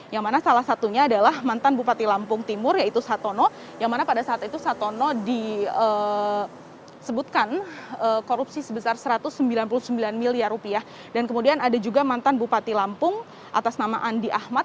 yang mana salah satunya adalah mantan bupati lampung timur yaitu satono yang mana pada saat itu satono disebutkan korupsi sebesar satu ratus sembilan puluh sembilan miliar rupiah dan kemudian ada juga mantan bupati lampung atas nama andi ahmad